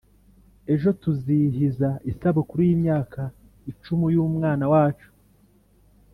Ejo tuzihiza isabukuru yimyaka icumu yumwana wacu